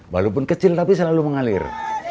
walaupun kecil tapi selalu mengalir